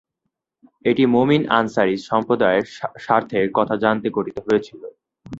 এটি মমিন আনসারী সম্প্রদায়ের স্বার্থের কথা জানাতে গঠিত হয়েছিল।